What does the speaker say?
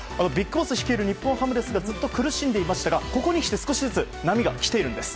ＢＩＧＢＯＳＳ率いる日本ハムずっと苦しんできましたがここにきて少しずつ波が来ています。